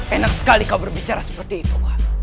enak sekali kau berbicara seperti itu